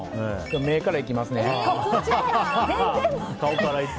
目からいきますね。